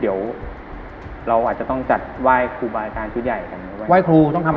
เดี๋ยวเราอาจจะต้องจัดไหว้ครูบาอาจารย์ชุดใหญ่กันไหว้ครูต้องทำ